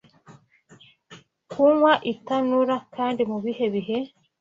Kunywa itanura kandi mubihe bihe